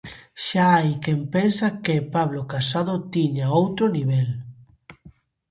Xa hai quen pensa que Pablo Casado tiña outro nivel.